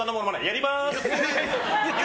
やります。